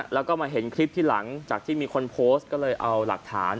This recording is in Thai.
แล้วก็มาเห็นคลิปที่หลังจากที่มีคนโพสต์ก็เลยเอาหลักฐาน